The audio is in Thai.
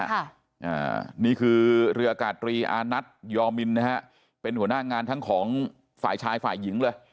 อ่านี่คือเรืออากาศตรีอานัทยอมินนะฮะเป็นหัวหน้างานทั้งของฝ่ายชายฝ่ายหญิงเลย